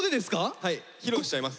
はい披露しちゃいます。